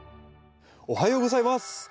おはようございます。